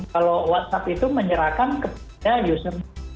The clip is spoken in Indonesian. kalau whatsapp itu menyerahkan kepada user